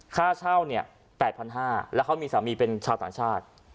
ค่าเช่าเนี่ย๘๕๐๐บาทแล้วเขามีสามีเป็นชาวต่างชาติ